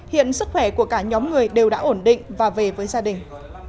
hiện sức khỏe của cả nhóm người đều đã ổn định và về với gia đình